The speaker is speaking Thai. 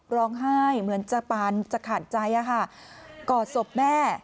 ร้องไห้เหมือนจะปานจะขาดใจกอดศพแม่